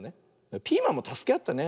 ピーマンもたすけあってね。